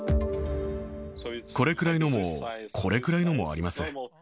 これくらいのも、これくらいのもあります。